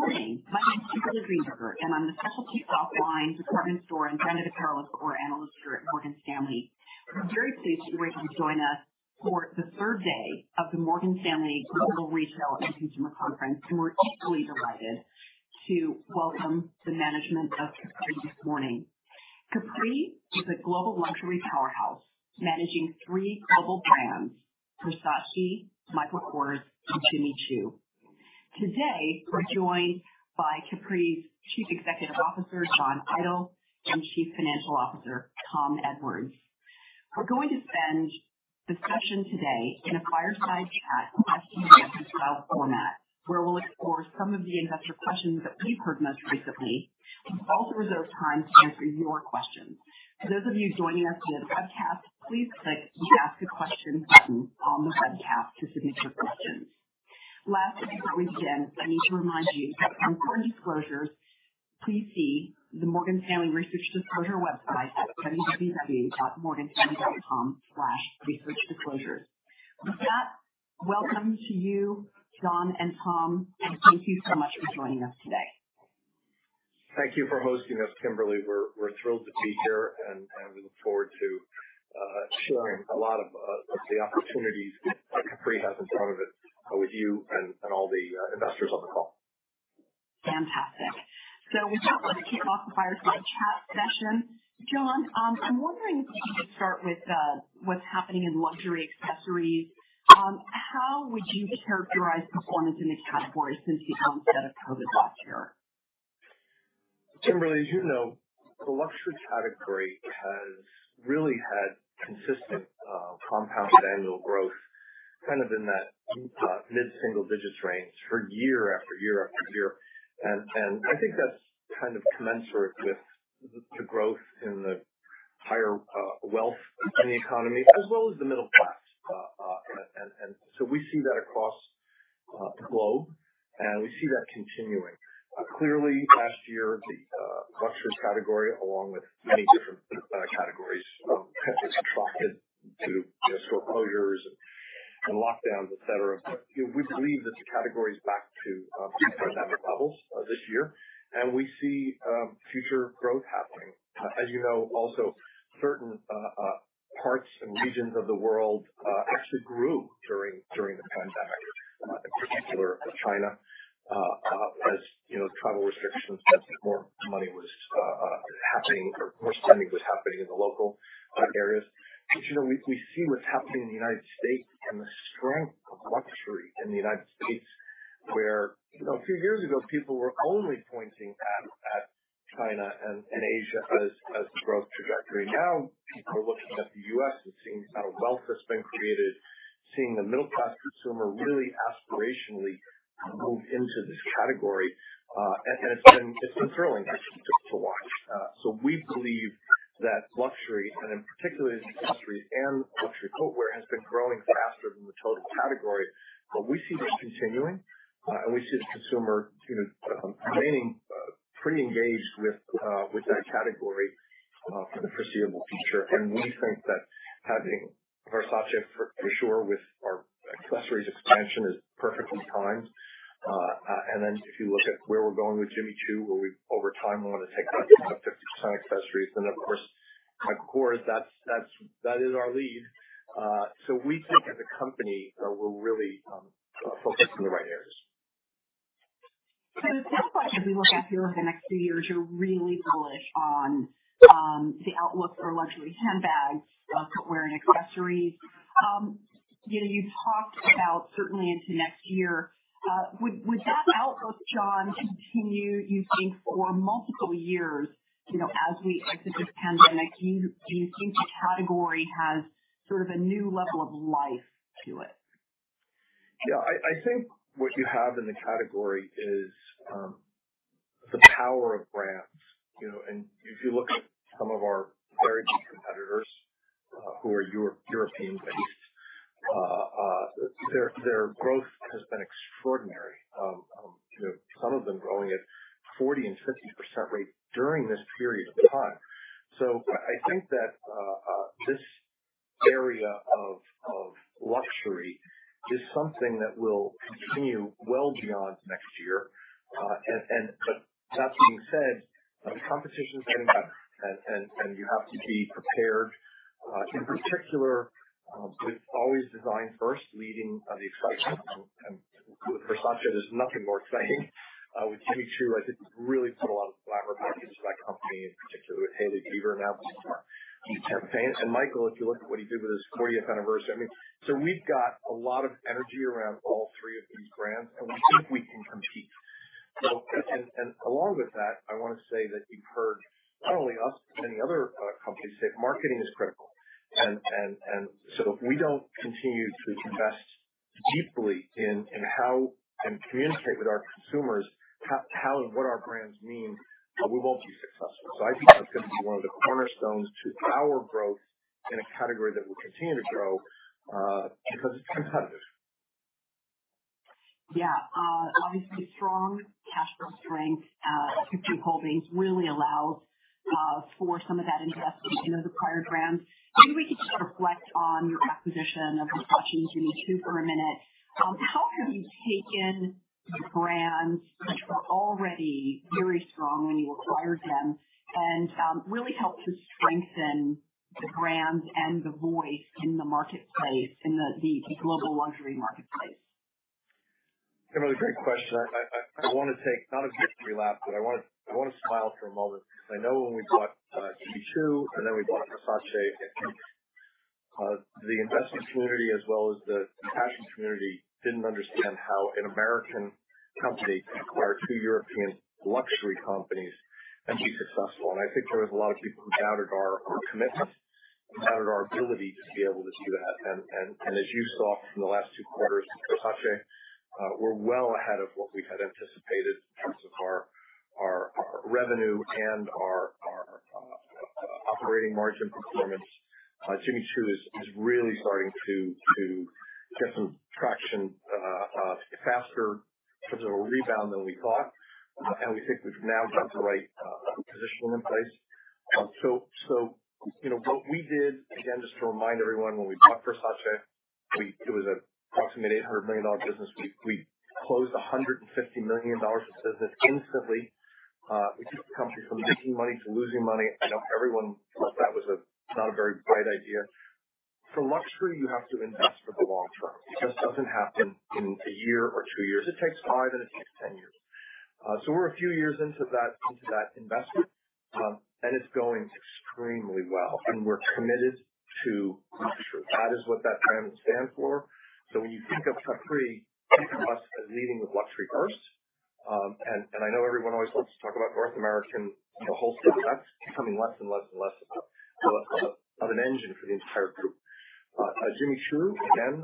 Good morning. My name is Kimberly Greenberger, and I'm the specialty softlines department store and branded apparel luxury core analyst here at Morgan Stanley. We're very pleased you were able to join us for the third day of the Morgan Stanley Global Consumer & Retail Conference, and we're equally delighted to welcome the management of Capri this morning. Capri is a global luxury powerhouse managing three global brands: Versace, Michael Kors, and Jimmy Choo. Today, we're joined by Capri's Chief Executive Officer, John Idol, and Chief Financial Officer, Tom Edwards. We're going to spend the session today in a fireside chat question and answer style format, where we'll explore some of the investor questions that we've heard most recently and also reserve time to answer your questions. For those of you joining us via the webcast, please click the Ask a Question button on the webcast to submit your questions. Last, as we always do, I need to remind you that for important disclosures, please see the Morgan Stanley Research Disclosure website at www.morganstanley.com/researchdisclosures. With that, welcome to you, John and Tom, and thank you so much for joining us today. Thank you for hosting us, Kimberly. We're thrilled to be here, and we look forward to sharing a lot of the opportunities that Capri has in front of it with you and all the investors on the call. Fantastic. With that, let's kick off the fireside chat session. John, I'm wondering if we could start with what's happening in luxury accessories. How would you characterize performance in these categories since the onset of COVID last year? Kimberly, as you know, the luxury category has really had consistent compound annual growth kind of in that mid-single digits range for year after year after year. I think that's kind of commensurate with the growth in the higher wealth in the economy as well as the middle class. We see that across the globe, and we see that continuing. Clearly last year, the luxury category, along with many different categories, was contracted due to store closures and lockdowns, et cetera. You know, we believe that the category is back to pre-pandemic levels this year, and we see future growth happening. As you know, also certain parts and regions of the world actually grew during the pandemic, in particular China, as you know, travel restrictions meant that more money was happening or more spending was happening in the local areas. You know, we see what's happening in the United States and the strength of luxury in the United States, where you know, a few years ago, people were only pointing at China and Asia as growth trajectory. Now people are looking at the U.S. and seeing how wealth has been created, seeing the middle class consumer really aspirationally move into this category. It's been thrilling actually to watch. We believe that luxury and in particular accessories and luxury footwear has been growing faster than the total category. We see this continuing, and we see the consumer, you know, remaining pretty engaged with that category for the foreseeable future. We think that having Versace for sure with our accessories expansion is perfectly timed. Then if you look at where we're going with Jimmy Choo, where we over time want to take that brand up 50% accessories and of course Michael Kors, that is our lead. We think as a company that we're really focused in the right areas. The tail question as we look out here over the next few years, you're really bullish on the outlook for luxury handbags, footwear, and accessories. You know, you talked about certainly into next year. Would that outlook, John, continue, you think, for multiple years, you know, as we exit this pandemic? Do you think the category has sort of a new level of life to it? Yeah. I think what you have in the category is the power of brands, you know. If you look at some of our very key competitors, who are European-based, their growth has been extraordinary. You know, some of them growing at 40% and 50% rate during this period of time. I think that this area of luxury is something that will continue well beyond next year. But that being said, the competition is getting better and you have to be prepared, in particular, with always design first leading the excitement. With Versace, there's nothing more exciting. With Jimmy Choo, I think we've really put a lot of glamour back into that company, in particular with Hailey Bieber now as our key campaign. And Michael, if you look at what he did with his fortieth anniversary, I mean. We've got a lot of energy around all three of these brands, and we think we can compete. Along with that, I wanna say that you've heard not only us but many other companies say marketing is critical. If we don't continue to invest deeply in how and communicate with our consumers how and what our brands mean, we won't be successful. I think that's gonna be one of the cornerstones to our growth in a category that will continue to grow because it's competitive. Yeah. Obviously strong cash flow strength to Capri Holdings really allows for some of that investment into the prior brands. Maybe we could just reflect on your acquisition of Versace and Jimmy Choo for a minute. How have you taken brands which were already very strong when you acquired them and really helped to strengthen the brands and the voice in the marketplace, in the global luxury marketplace? Kimberly, great question. I wanna take not a victory lap, but I wanna smile for a moment because I know when we bought Jimmy Choo, and then we bought Versace, the investment community as well as the fashion community didn't understand how an American company could acquire two European luxury companies and be successful. I think there was a lot of people who doubted our commitment, doubted our ability to be able to do that. As you saw from the last two quarters at Versace, we're well ahead of what we had anticipated in terms of our revenue and our operating margin performance. Jimmy Choo is really starting to get some traction faster in terms of a rebound than we thought. We think we've now got the right positioning in place. You know what we did, again, just to remind everyone, when we bought Versace, it was an approximately $800 million business. We closed $150 million of business instantly. We took the company from making money to losing money. I know everyone thought that was not a very bright idea. For luxury, you have to invest for the long term. It just doesn't happen in a year or two years. It takes five, and it takes 10 years. We're a few years into that investment, and it's going extremely well. We're committed to luxury. That is what that brand stands for. When you think of Capri, think of us as leading with luxury first. I know everyone always loves to talk about North American wholesale, but that's becoming less and less of an engine for the entire group. Jimmy Choo, again,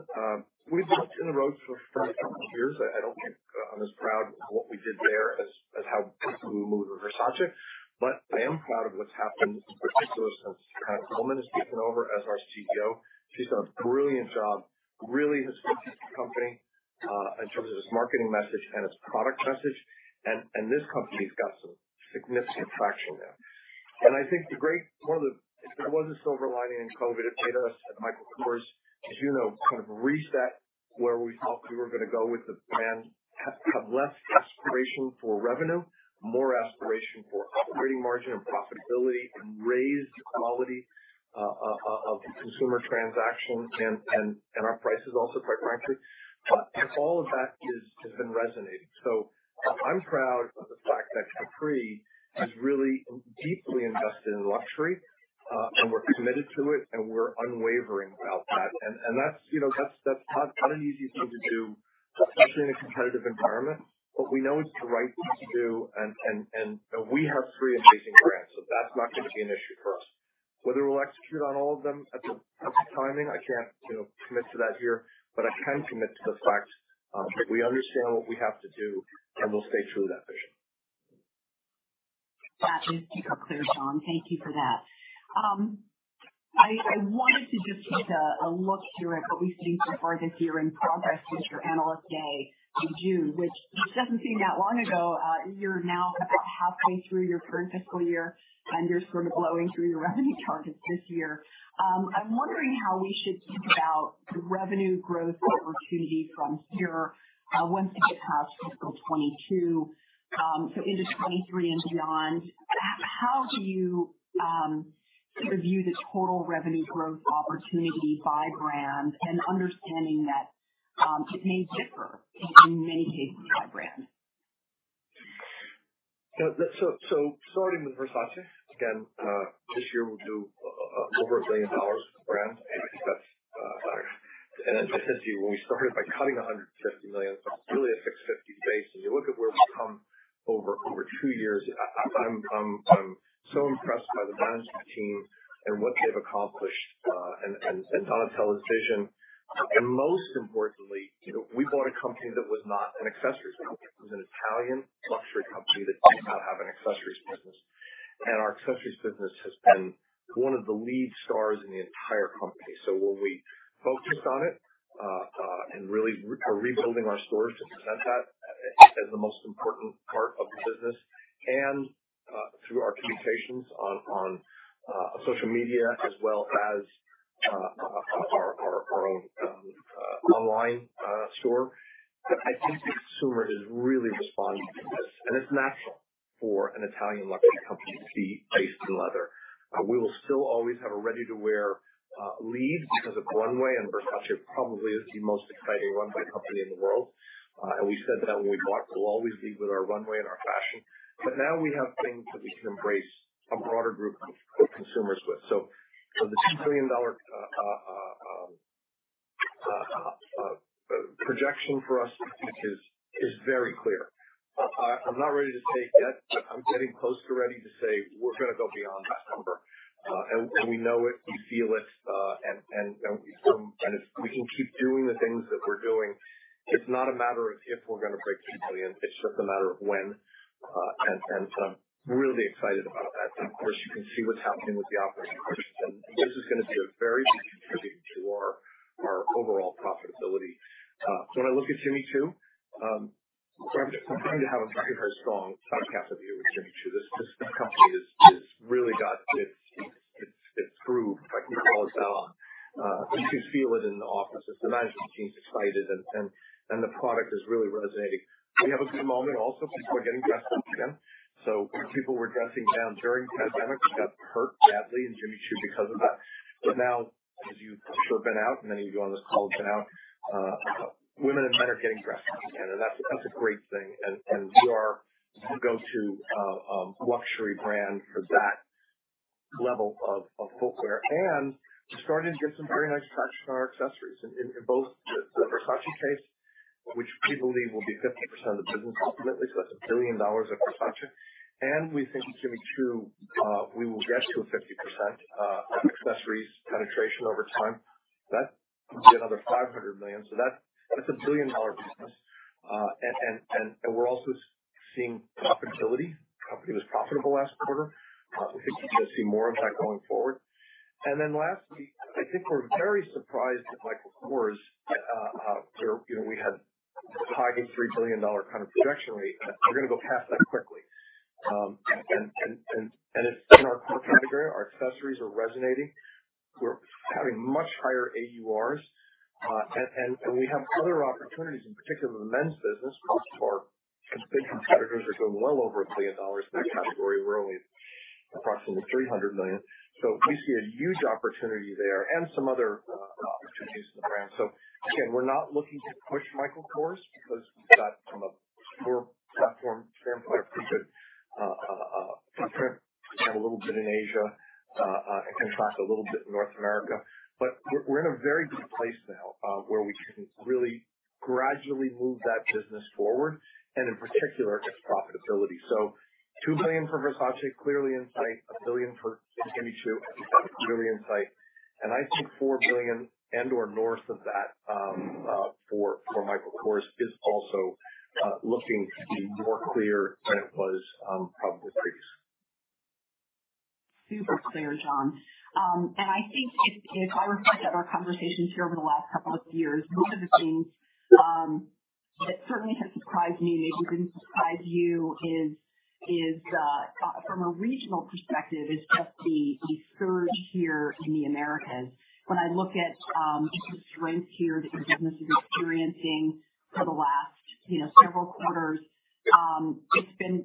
we've been on the road for five years. I don't think I'm as proud of what we did there as how quickly we moved with Versace, but I am proud of what's happened, in particular since Hannah Colman has taken over as our CEO. She's done a brilliant job, really has focused the company in terms of its marketing message and its product message. This company has got some significant traction now. I think the great one of the... If there was a silver lining in COVID, it made us at Michael Kors, as you know, kind of reset where we thought we were gonna go with the brand and have less aspiration for revenue, more aspiration for operating margin and profitability, and raise the quality of consumer transactions and our prices also, quite frankly. All of that has been resonating. I'm proud of the fact that Capri is really deeply invested in luxury, and we're committed to it, and we're unwavering about that. That's, you know, not an easy thing to do, especially in a competitive environment. We know it's the right thing to do, and we have three amazing brands, so that's not gonna be an issue for us. Whether we'll execute on all of them at the timing, I can't, you know, commit to that here, but I can commit to the fact that we understand what we have to do, and we'll stay true to that vision. That is super clear, John. Thank you for that. I wanted to just take a look here at what we've seen so far this year in progress since your Investor Day in June, which doesn't seem that long ago. You're now about halfway through your current fiscal year, and you're sort of blowing through your revenue targets this year. I'm wondering how we should think about the revenue growth opportunity from here, once we get past fiscal 2022, so into 2023 and beyond. How do you sort of view the total revenue growth opportunity by brand and understanding that it may differ in many cases by brand? Yeah, starting with Versace, again, this year we'll do over $1 billion with the brand. I think that's better. As I said to you, when we started by cutting $150 million from really a $650 million base, and you look at where we've come over two years, I'm so impressed by the management team and what they've accomplished, and Donatella's vision. Most importantly, you know, we bought a company that was not an accessories company. It was an Italian luxury company that did not have an accessories business. Our accessories business has been one of the lead stars in the entire company. When we focused on it and really are rebuilding our stores to present that as the most important part of the business and through our communications on social media as well as our own online store. I think the consumer is really responding to this, and it's natural for an Italian luxury company to be based in leather. We will still always have a ready-to-wear lead because of runway, and Versace probably is the most exciting runway company in the world. We said that when we bought, we'll always lead with our runway and our fashion, but now we have things that we can embrace a broader group of consumers with. The $2 billion projection for us, I think is very clear. I'm not ready to say it yet, but I'm getting close to ready to say we're gonna go beyond that number. We know it, we feel it, and if we can keep doing the things that we're doing, it's not a matter of if we're gonna break $2 billion, it's just a matter of when. I'm really excited about that. Of course, you can see what's happening with the operating margin. This is gonna be a very big contributor to our overall profitability. When I look at Jimmy Choo, we're starting to have a very, very strong top-of-mind view with Jimmy Choo. This company really got its groove, if I can call it that, on. You can feel it in the offices. The management team's excited and the product is really resonating. We have a good moment also, people are getting dressed again. People were dressing down during the pandemic. We got hurt badly in Jimmy Choo because of that. Now, as you've sort of been out, and many of you on this call have been out, women and men are getting dressed again, and that's a great thing. We are the go-to luxury brand for that level of footwear. We're starting to get some very nice traction on our accessories in both the Versace case, which we believe will be 50% of the business ultimately. That's $1 billion at Versace. We think at Jimmy Choo we will get to a 50% accessories penetration over time. That will be another $500 million. So that's a $1 billion business. We're also seeing profitability. Company was profitable last quarter. We think you're gonna see more of that going forward. Then lastly, I think we're very surprised at Michael Kors. You know, we had a $5.3 billion kind of projection rate. We're gonna go past that quickly. It's in our core category. Our accessories are resonating. We're having much higher AURs. We have other opportunities, in particular the men's business. Our big competitors are doing well over $1 billion in that category. We're only approximately $300 million. So we see a huge opportunity there and some other opportunities in the brand. Again, we're not looking to push Michael Kors because we've got from a store platform standpoint, a pretty good footprint. We have a little bit in Asia, and can't track a little bit in North America. We're in a very good place now, where we can really gradually move that business forward and in particular its profitability. $2 billion for Versace, clearly in sight. $1 billion for Jimmy Choo, clearly in sight. I think $4 billion or north of that for Michael Kors is also looking to be more clear than it was probably three years ago. Super clear, John. I think if I reflect on our conversations here over the last couple of years, one of the things that certainly has surprised me, maybe didn't surprise you is from a regional perspective, is just the surge here in the Americas. When I look at the strength here that your business is experiencing for the last, you know, several quarters, it's been,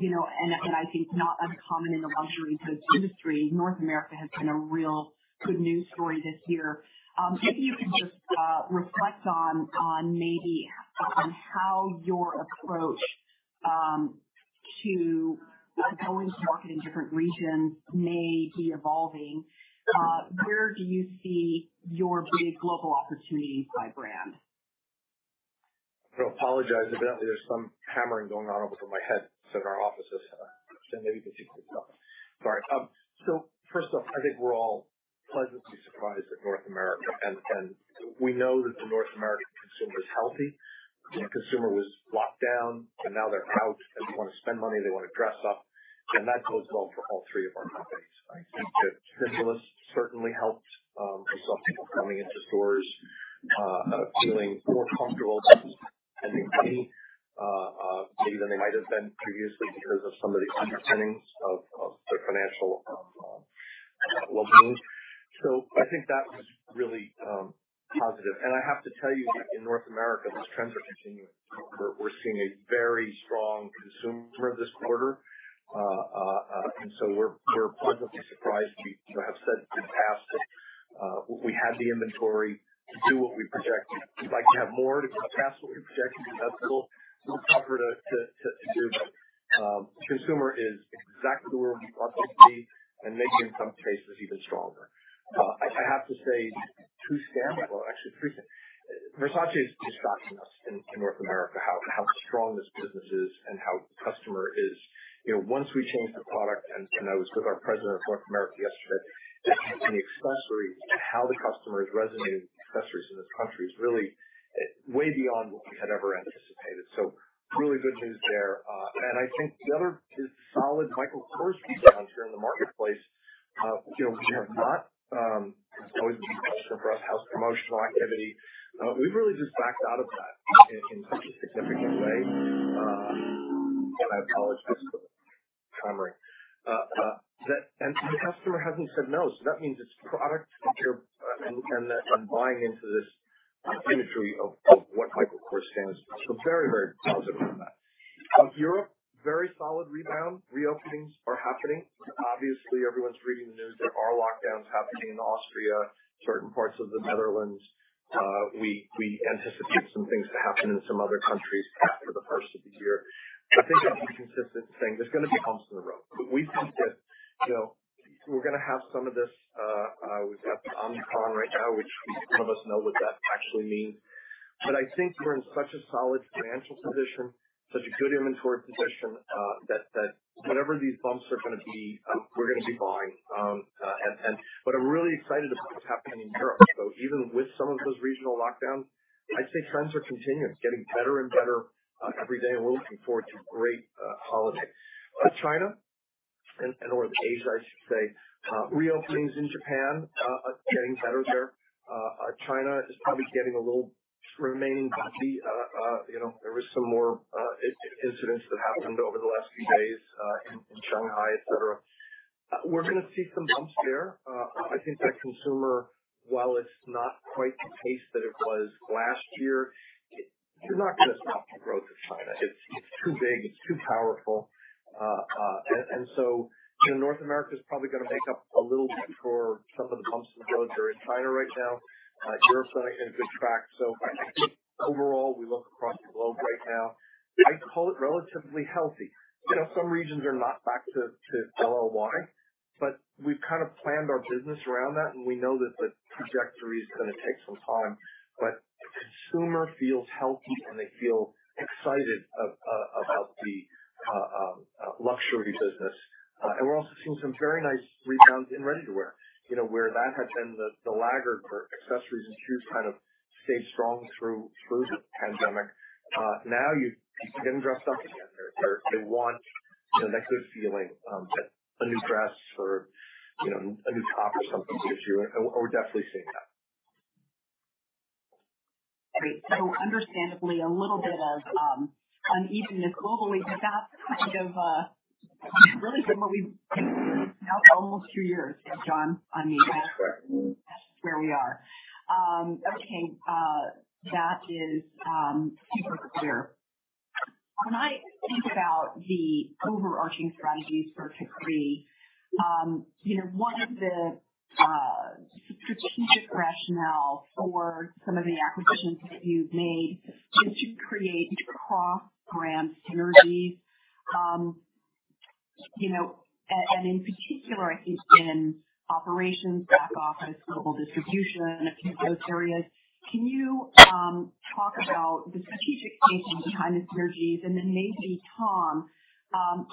you know, and I think not uncommon in the luxury goods industry. North America has been a real good news story this year. Maybe you can just reflect on how your approach to going to market in different regions may be evolving. Where do you see your biggest global opportunities by brand? I apologize. Apparently there's some hammering going on over my head. It's in our offices. Maybe it can fix itself. Sorry. First off, I think we're all pleasantly surprised at North America, and we know that the North American consumer is healthy. The consumer was locked down, and now they're out, and they wanna spend money, they wanna dress up. That bodes well for all three of our companies. I think the stimulus certainly helped. We saw people coming into stores, feeling more comfortable spending money, maybe than they might have been previously because of some of the underpinnings of their financial well-being. I think that was really positive. I have to tell you, in North America, those trends are continuing. We're seeing a very strong consumer this quarter. We're pleasantly surprised. We have said in the past that we had the inventory to do what we projected. We'd like to have more to surpass what we projected. That's a little tougher to do. Consumer is exactly where we want them to be and maybe in some cases even stronger. I have to say, well, actually three things. Versace is shocking us in North America, how strong this business is and how the customer is. You know, once we change the product, and I was with our president of North America yesterday, and the accessories and how the customer is resonating with accessories in this country is really way beyond what we had ever anticipated. So really good news there. I think the other is solid Michael Kors rebound here in the marketplace. You know, we have not. It's always been traditional for us, in-house promotional activity. We've really just backed out of that in such a significant way. I apologize for the hammering. The customer hasn't said no. So that means it's product and buying into this imagery of what Michael Kors stands for. So very, very positive on that. Europe, very solid rebound. Reopenings are happening. Obviously, everyone's reading the news. There are lockdowns happening in Austria, certain parts of the Netherlands. We anticipate some things to happen in some other countries after the first of the year. I think I'll be consistent saying there's gonna be bumps in the road. We think that, you know, we're gonna have some of this. We've got the Omicron right now, which none of us know what that actually means. I think we're in such a solid financial position, such a good inventory position, that whatever these bumps are gonna be, we're gonna be fine. What I'm really excited about is what's happening in Europe. Even with some of those regional lockdowns, I'd say trends are continuing, getting better and better, every day, and we're looking forward to a great holiday. China and Asia, I should say. Reopenings in Japan are getting better there. China is probably getting a little remaining bumpy. You know, there was some more incidents that happened over the last few days, in Shanghai, et cetera. We're gonna see some bumps there. I think that consumer, while it's not quite the case that it was last year, you're not gonna stop the growth of China. It's too big. It's too powerful. You know, North America is probably gonna make up a little bit for some of the bumps in the road that are in China right now. Europe's on a good track. I think overall, we look across the globe right now, I'd call it relatively healthy. You know, some regions are not back to LLY, but we've kind of planned our business around that, and we know that the trajectory is gonna take some time. The consumer feels healthy, and they feel excited about the luxury business. We're also seeing some very nice rebounds in ready-to-wear. You know, where that had been the laggard for accessories and shoes kind of stayed strong through the pandemic. Now, people are getting dressed up again. They want, you know, that good feeling that a new dress or, you know, a new top or something gives you. We're definitely seeing that. Great. Understandably a little bit of unevenness globally, but that's kind of really been what we've experienced now almost two years, John, I mean. That's correct. That's just where we are. Okay. That is super clear. When I think about the overarching strategies for Capri, you know, one of the strategic rationale for some of the acquisitions that you've made is to create cross-brand synergies. You know, and in particular, I think in operations, back office, global distribution, a few of those areas. Can you talk about the strategic thinking behind the synergies? Maybe, Tom,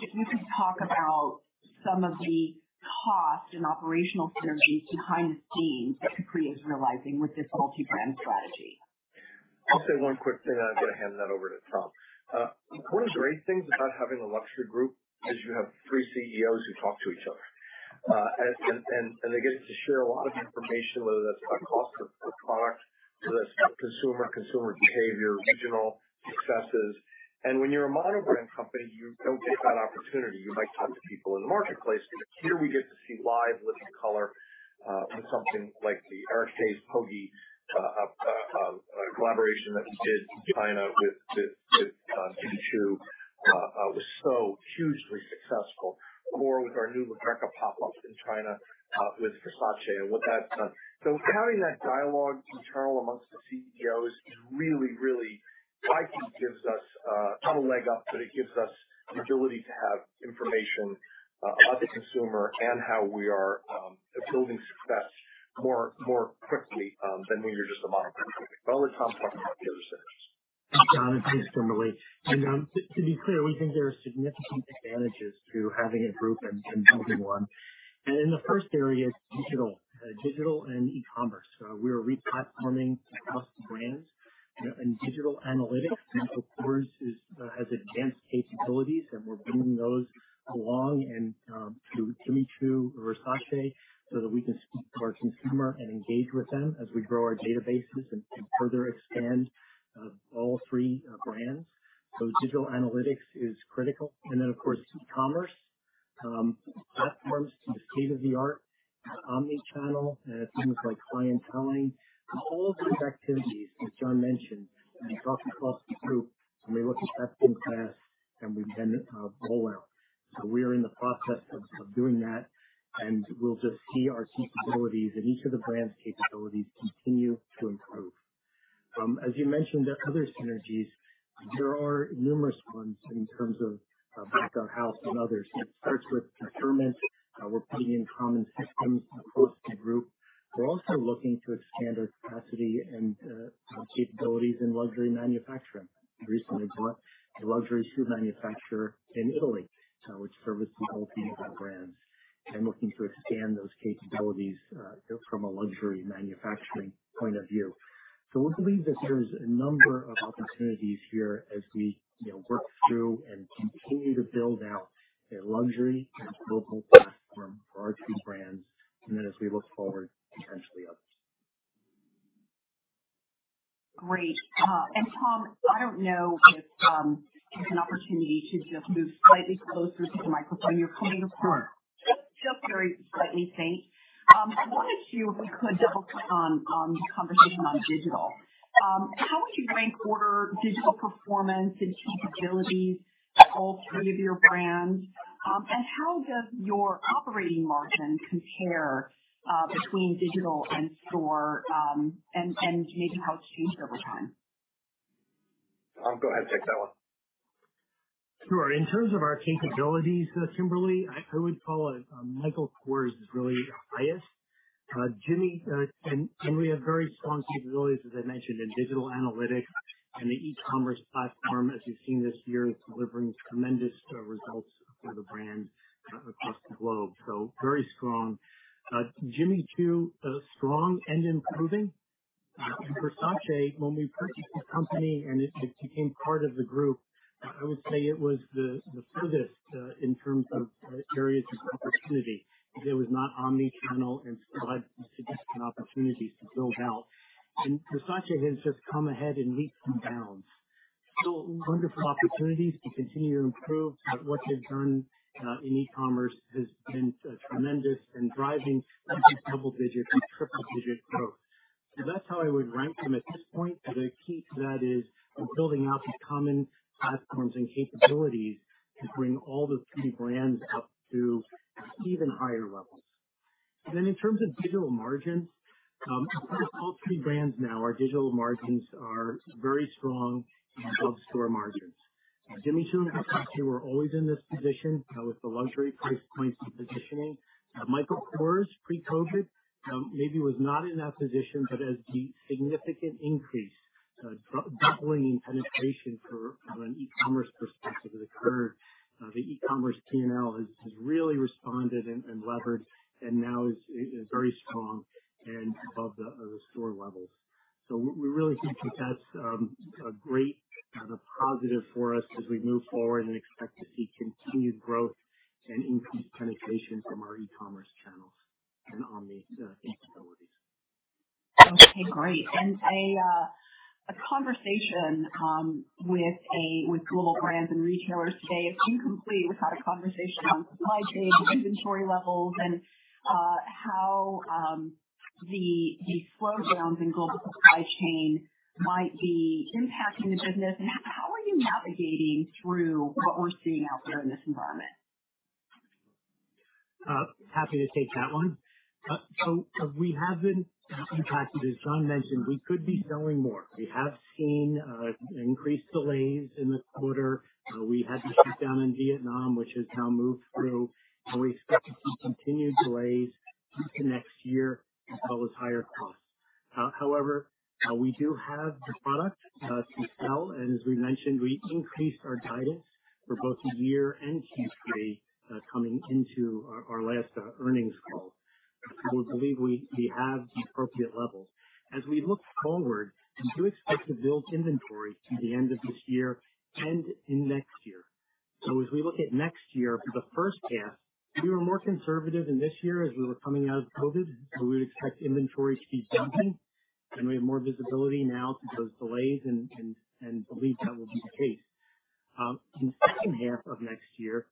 if you could talk about some of the cost and operational synergies behind the scenes that Capri is realizing with this multi-brand strategy. I'll say one quick thing, then I'm gonna hand that over to Tom. One of the great things about having a luxury group is you have three CEOs who talk to each other. They get to share a lot of information, whether that's about cost of product, whether that's about consumer behavior, regional successes. When you're a mono-brand company, you don't get that opportunity. You might talk to people in the marketplace, but here we get to see in living color with something like the Eric Haze-Poggy collaboration that we did in China with Jimmy Choo was so hugely successful. With our new [Rebecca pop-up in China with Versace and what that's done. Having that dialogue internal amongst the CEOs is really... I think gives us not a leg up, but it gives us the agility to have information about the consumer and how we are achieving success more quickly than when you're just a mono-brand company. I'll let Tom talk about the other synergies. John, thanks, Kimberly. To be clear, we think there are significant advantages to having a group and building one. In the first area is digital. Digital and e-commerce. We are re-platforming across the brands, you know, and digital analytics. Michael Kors has advanced capabilities, and we're bringing those along and to Jimmy Choo or Versace so that we can speak to our consumer and engage with them as we grow our databases and further expand all three brands. So digital analytics is critical. Then, of course, e-commerce. Platforms to the state-of-the-art omnichannel and things like clienteling. All of these activities that John mentioned, we talk across the group, and we look at best in class, and we then roll out. We are in the process of doing that, and we'll just see our capabilities and each of the brands' capabilities continue to improve. As you mentioned, the other synergies, there are numerous ones in terms of back of house and others. It starts with procurement. We're putting in common systems Jimmy, and we have very strong capabilities, as I mentioned, in digital analytics and the e-commerce platform. As you've seen this year, it's delivering tremendous results for the brand across the globe. So very strong. Jimmy Choo strong and improving. Versace, when we purchased the company and it became part of the group, I would say it was the furthest in terms of areas of opportunity. It was not omni-channel and had significant opportunities to build out. Versace has just come ahead in leaps and bounds. Still wonderful opportunities to continue to improve. What they've done in e-commerce has been tremendous in driving double digit and triple digit growth. That's how I would rank them at this point. The key to that is building out the common platforms and capabilities to bring all the three brands up to even higher levels. In terms of digital margins, all three brands now, our digital margins are very strong and above store margins. Jimmy Choo and Versace were always in this position, with the luxury price points and positioning. Michael Kors pre-COVID, maybe was not in that position, but as the significant increase, doubling in penetration for, from an e-commerce perspective has occurred. The e-commerce PNL has really responded and levered and now is very strong and above the store levels. We really think that that's a great positive for us as we move forward and expect to see continued growth and increased penetration from our e-commerce channels and omni capabilities. Okay, great. A conversation with global brands and retailers today is incomplete without a conversation on supply chain, inventory levels and how the slowdowns in global supply chain might be impacting the business. How are you navigating through what we're seeing out there in this environment? Happy to take that one. We have been impacted. As John mentioned, we could be selling more. We have seen increased delays in this quarter. We had the shutdown in Vietnam, which has now moved through. We expect to see continued delays into next year, as well as higher costs. However, we do have the product to sell, and as we mentioned, we increased our guidance for both the year and Q3, coming into our last earnings call. We believe we have the appropriate levels. As we look forward, we do expect to build inventory through the end of this year and in next year. As we look at next year for the first half, we were more conservative in this year as we were coming out of COVID. We would expect inventory to be building, and we have more visibility now through those delays and believe that will be the case. In the second half of next year,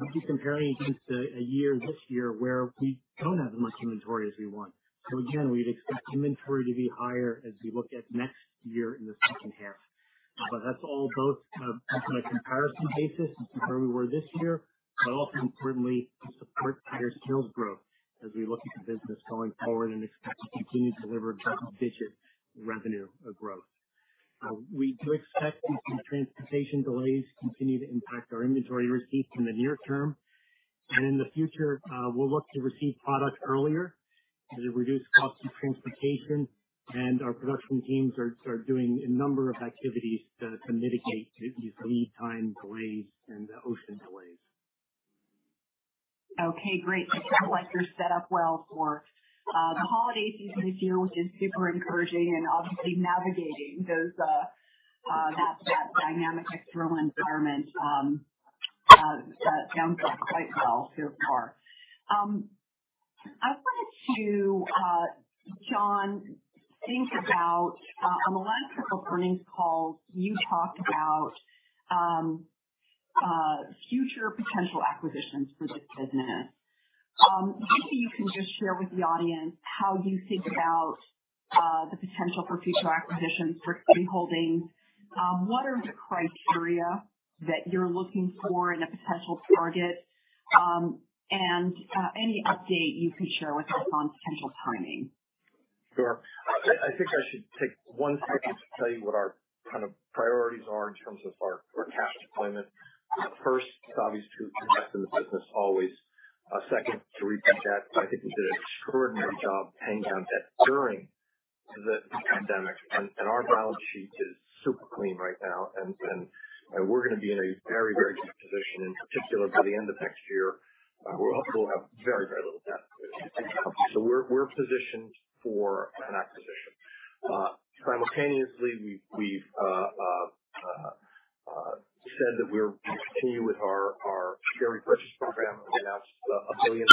we'd be comparing against a year this year where we don't have as much inventory as we want. Again, we'd expect inventory to be higher as we look at next year in the second half. That's all both on a comparison basis compared to where we were this year, but also importantly to support higher sales growth as we look at the business going forward and expect to continue to deliver double digit revenue growth. We do expect these transportation delays to continue to impact our inventory receipts in the near term. In the future, we'll look to receive product earlier to reduce costs of transportation, and our production teams are doing a number of activities to mitigate these lead time delays and ocean delays. Okay, great. It sounds like you're set up well for the holiday season this year, which is super encouraging, and obviously navigating that dynamic external environment that sounds quite well so far. I wanted to, John, think about on the last couple earnings calls, you talked about future potential acquisitions for this business. Maybe you can just share with the audience how you think about the potential for future acquisitions for Capri Holdings. What are the criteria that you're looking for in a potential target? Any update you can share with us on potential timing. Sure. I think I should take one second to tell you what our kind of priorities are in terms of our cash deployment. First, it's obvious to invest in the business always. Second, to repeat that I think we did an extraordinary job paying down debt during the pandemic. Our balance sheet is super clean right now. We're gonna be in a very good position, in particular by the end of next year. We'll also have very little debt. We're positioned for an acquisition. Simultaneously, we've said that we continue with our share repurchase program. We announced a $1 billion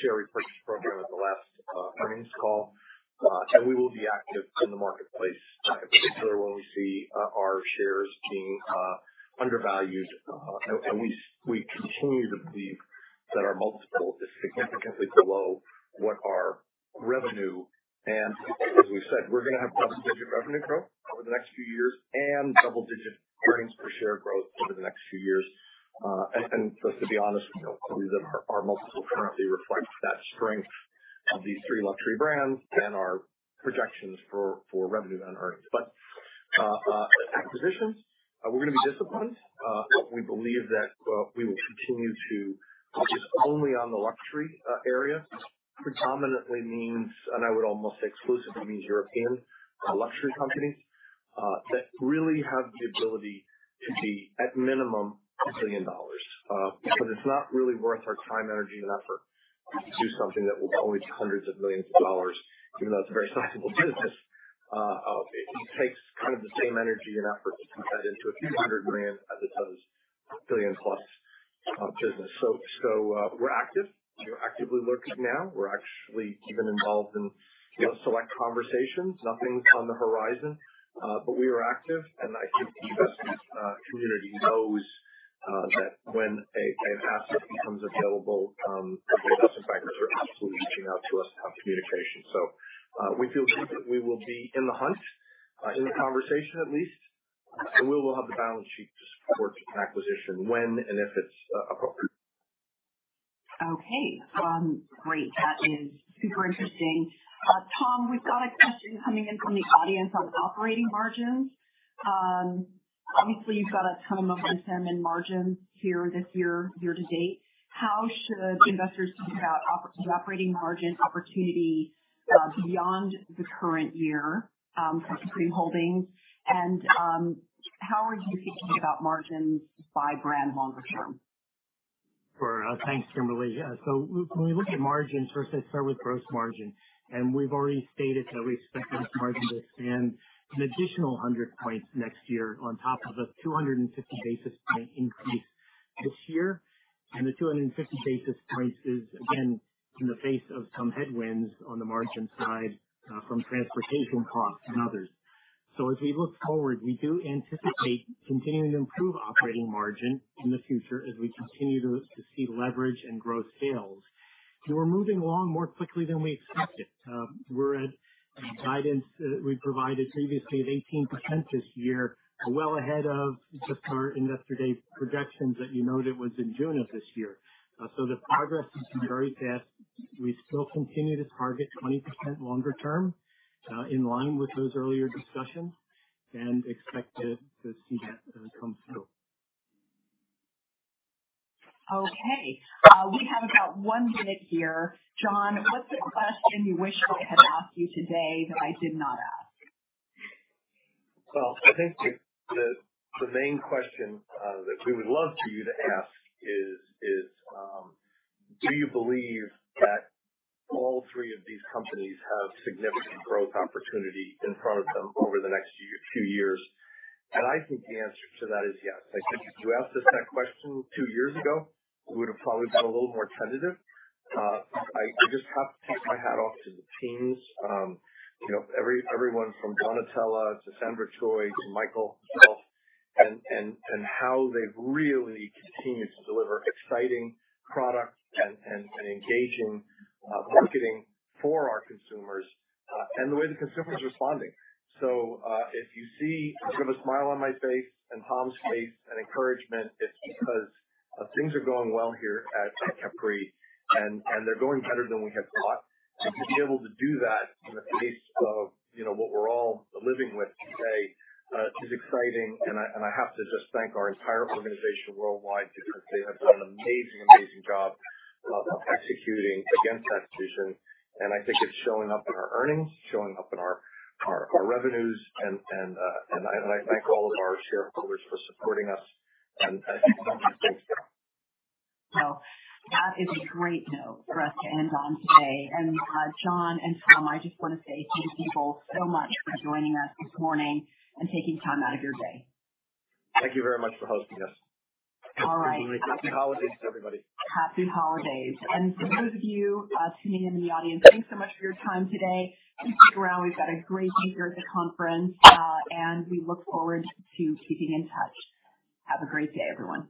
share repurchase program at the last earnings call. We will be active in the marketplace, in particular when we see our shares being undervalued. We continue to believe that our multiple is significantly below what our revenue. As we've said, we're gonna have double-digit revenue growth over the next few years and double-digit earnings per share growth over the next few years. Just to be honest, we don't believe that our multiple currently reflects that strength of these three luxury brands and our projections for revenue and earnings. Acquisitions, we're gonna be disciplined. We believe that we will continue to focus only on the luxury area, predominantly means, and I would almost say exclusively means European luxury companies that really have the ability to be, at minimum, $1 billion. Because it's not really worth our time, energy, and effort to do something that will only be hundreds of million dollars, even though it's a very sizable business. It takes kind of the same energy and effort to turn that into a few hundred million dollars as it does a billion dollars-plus business. We're active. We're actively looking now. We're actually even involved in select conversations. Nothing's on the horizon, but we are active. I think the investment community knows that when an asset becomes available, private equity backers are absolutely reaching out to us to have communications. We feel good that we will be in the hunt, in the conversation at least. We will have the balance sheet to support an acquisition when and if it's appropriate. Okay. Great. That is super interesting. Tom, we've got a question coming in from the audience on operating margins. Obviously, you've got a ton of momentum in margins here this year to date. How should investors think about the operating margin opportunity, beyond the current year, for Capri Holdings? How are you thinking about margins by brand longer term? Sure. Thanks, Kimberly. When we look at margins, first let's start with gross margin. We've already stated that we expect gross margin to expand an additional 100 points next year on top of a 250 basis point increase this year. The 250 basis points is, again, in the face of some headwinds on the margin side from transportation costs and others. As we look forward, we do anticipate continuing to improve operating margin in the future as we continue to see leverage and grow sales. We're moving along more quickly than we expected. We're at guidance that we provided previously of 18% this year, well ahead of just our Investor Day projections that you noted was in June of this year. The progress has been very fast. We still continue to target 20% longer term, in line with those earlier discussions and expect to see that come through. Okay. We have about one minute here. John, what's a question you wish I had asked you today that I did not ask? Well, I think the main question that we would love for you to ask is, do you believe that all three of these companies have significant growth opportunity in front of them over the next year, two years? I think the answer to that is yes. I think if you asked us that question two years ago, we would have probably been a little more tentative. I just have to take my hat off to the teams. You know, everyone from Donatella to Sandra Choi to Michael himself and how they've really continued to deliver exciting products and engaging marketing for our consumers, and the way the consumer is responding. If you see sort of a smile on my face and Tom's face and encouragement, it's because things are going well here at Capri, and they're going better than we had thought. To be able to do that in the face of, you know, what we're all living with today, is exciting. I have to just thank our entire organization worldwide because they have done an amazing job of executing against that vision. I think it's showing up in our earnings, showing up in our revenues. I thank all of our shareholders for supporting us. I think Tom has things to add. Well, that is a great note for us to end on today. John and Tom, I just want to say thank you both so much for joining us this morning and taking time out of your day. Thank you very much for hosting us. All right. Thank you, Kimberly. Happy holidays, everybody. Happy holidays. For those of you tuning in the audience, thanks so much for your time today. Stick around. We've got a great speaker at the conference, and we look forward to keeping in touch. Have a great day, everyone.